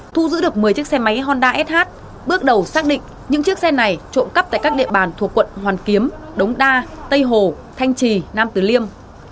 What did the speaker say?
thu giữ được một mươi chiếc xe máy honda sh bước đầu xác định những chiếc xe này trộm cắp tại các địa bàn thuộc quận hoàn kiếm đống đa tây hồ thanh trì nam tử liêm